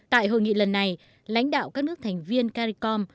tại hội nghị lần này lãnh đạo các nước thành viên caribe com